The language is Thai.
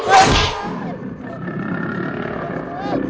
โอ้โอ้โอ้